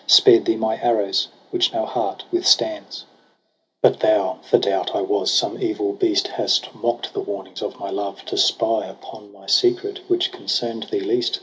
Spared thee my arrows, which no heart withstands. K 2 tja EROS 6 PSYCHE 30 * But thou, for doubt I was some evil beast. Hast mock'd the warnings of my love, to spy Upon my secret, which concern'd thee least.